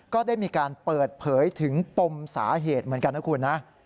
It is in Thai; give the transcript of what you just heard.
ก็ได้มีการเปิดเผยถึงปมสาเหตุเหมือนกันนะคุณนะ